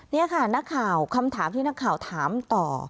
นี่ค่ะนักข่าวคำถามที่นักข่าวถามต่อ